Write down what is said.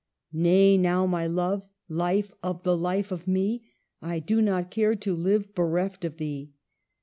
Nay, now, my love, life of the life of me, I do not care to live bereft of thee.